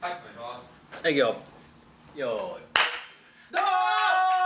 どうも！